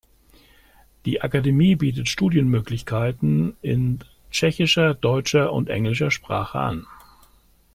Die Akademie bietet Studienmöglichkeiten in tschechischer, deutscher und englischer Sprache an.